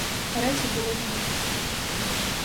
Речі були на місці.